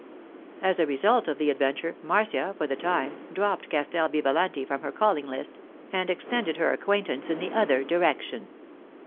As a result of the adventure, Marcia, for the time, dropped Castel Vivalanti from her calling list and extended her acquaintance in the other direction.